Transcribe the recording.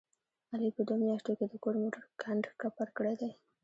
علي په دوه میاشتو کې د کور موټر کنډ کپر کړی دی.